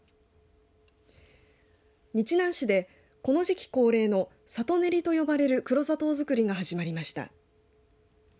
日南市でこの時期恒例のさとねりと呼ばれる黒砂糖作りが始まりました。